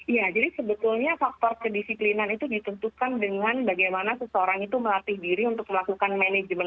iya jadi sebetulnya faktor kedisiplinan itu ditentukan dengan bagaimana seseorang itu melatih diri untuk melakukan manajemen